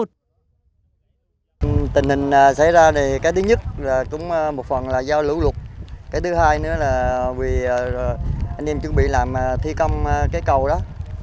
tình hình xảy ra thì cái thứ nhất là cũng một phần là do lũ lụt cái thứ hai nữa là vì anh em chuẩn bị làm thi công cái cầu đó